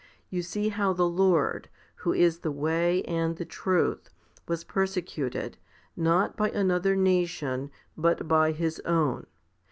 You see how the Lord, who is the Way and the Truth, was persecuted, not by another nation, but by His own.